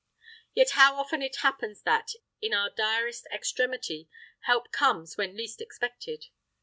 Yet how often it happens that, in our direst extremity, help comes when least expected!